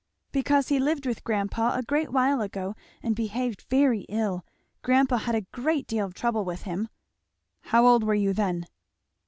"Because he lived with grandpa a great while ago, and behaved very ill. Grandpa had a great deal of trouble with him." "How old were you then?"